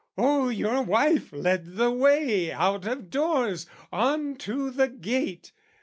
"Oh, your wife led the way, "Out of doors, on to the gate..."